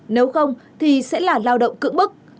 nếu không thì sẽ là lao động cự bức